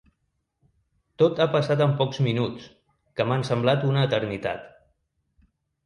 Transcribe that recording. Tot ha passat en pocs minuts, que m’han semblat una eternitat.